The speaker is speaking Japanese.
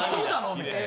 みたいな。